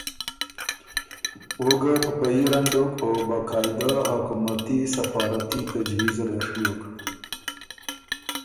او ګه په په يي رنګ دوک او باقاعده حکومتي سفارتي تجویزه لې ڒیوک۔